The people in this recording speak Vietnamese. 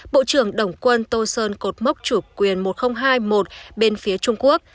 bộ trưởng đồng quân tô sơn cột mốc chủ quyền một nghìn hai mươi một bên phía trung quốc